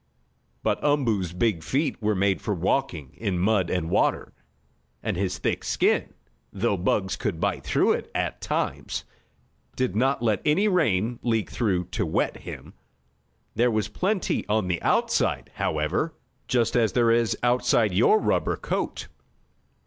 But Umboo's big feet were made for walking in mud and water, and his thick skin, though bugs could bite through it at times, did not let any rain leak through to wet him. There was plenty on the outside, however, just as there is outside your rubber coat.